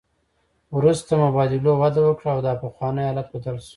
وروسته مبادلو وده وکړه او دا پخوانی حالت بدل شو